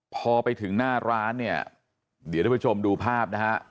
พอไปถึงหน้าร้านเนี่ยเดี๋ยวท่านผู้ชมดูภาพนะฮะ